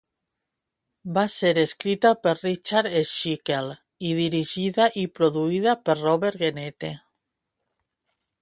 Va ser escrita per Richard Schickel i dirigida i produïda per Robert Guenette.